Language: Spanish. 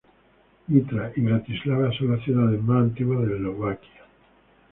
Nitra y Bratislava son las ciudades más antiguas de Eslovaquia.